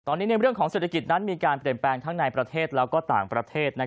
ตอนนี้ในเรื่องของเศรษฐกิจนั้นมีการเปลี่ยนแปลงทั้งในประเทศและต่างประเทศ